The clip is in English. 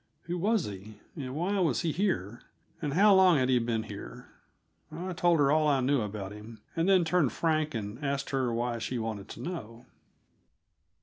Who was he? and why was he here? and how long had he been here? I told her all I knew about him, and then turned frank and asked her why she wanted to know.